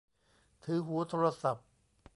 ถือหูโทรศัพท์